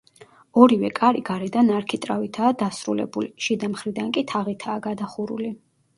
ორივე კარი გარედან არქიტრავითაა დასრულებული, შიდა მხრიდან კი თაღითაა გადახურული.